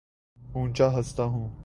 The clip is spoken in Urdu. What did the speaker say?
اونچا ہنستا ہوں